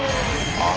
ああ。